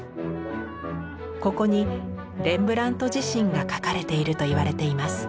ここにレンブラント自身が描かれているといわれています。